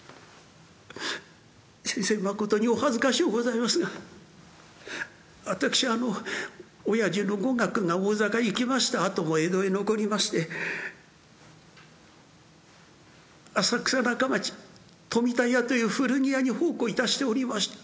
先生まことにお恥ずかしゅうございますが私あの親父の五岳が大坂行きましたあとも江戸へ残りまして浅草中町富田屋という古着屋に奉公いたしておりました」。